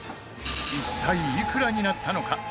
一体、いくらになったのか？